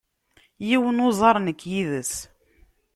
Yiwen n uẓar nekk yid-s.